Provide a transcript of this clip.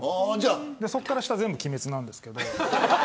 そこから下、全部鬼滅なんですけど。